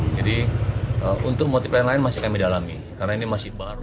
jadi untuk motif lain lain masih kami dalami